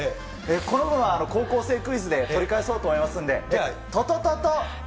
この分は高校生クイズで取り返そうと思いますんで。